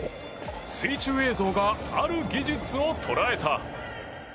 水中映像がある技術を捉えた。